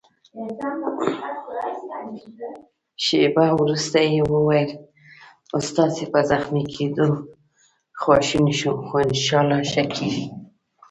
شېبه وروسته يې وویل: ستاسي په زخمي کېدو خواشینی شوم، خو انشاالله ښه کېږې.